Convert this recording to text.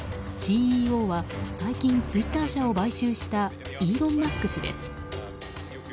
ＣＥＯは最近ツイッター社を買収したイーロン・マスク氏です。